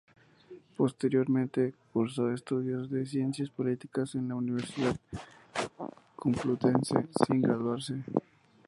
Posteriormente, cursó estudios de Ciencias Políticas en la Universidad Complutense, sin graduarse.